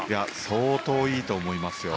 相当いいと思いますよ。